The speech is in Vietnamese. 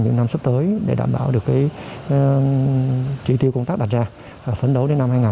những năm sắp tới để đảm bảo được trị tiêu công tác đạt ra và phấn đấu đến năm hai nghìn hai mươi ba để đạt được